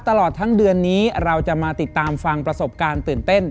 ตลอดทั้งเดือนนี้เราจะมาติดตามฟังประสบการณ์ตื่นเต้น